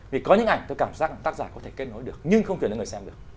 vì có những ảnh tôi cảm giác tác giả có thể kết nối được nhưng không truyền đến người xem được